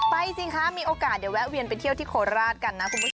สิคะมีโอกาสเดี๋ยวแวะเวียนไปเที่ยวที่โคราชกันนะคุณผู้ชม